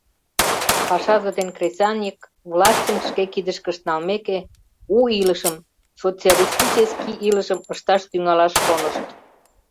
Пашазе ден кресаньык, властьым шке кидышкышт налмеке, у илышым, социалистический илышым, ышташ тӱҥалаш шонышт.